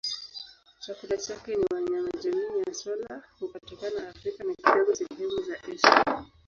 Chakula chake ni wanyama jamii ya swala hupatikana Afrika na kidogo sehemu za Asia.